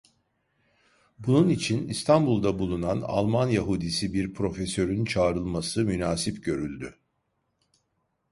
Bunun için İstanbul'da bulunan Alman Yahudisi bir profesörün çağrılması münasip görüldü.